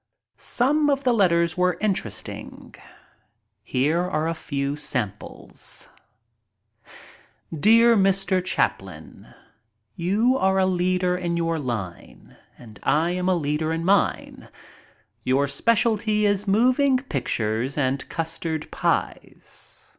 Some of the letters were most interesting. Here are a few samples: Dear Mr. Chaplin, — You are a leader in your line and I am a leader in mine. Your specialty is moving pictures and custard pies.